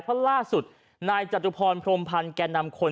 เพราะล่าสุดนายจตุพรพรมพันธ์แก่นำคน